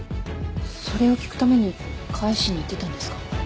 それを聞くために返しに行ってたんですか。